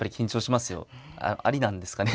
ありなんですかね？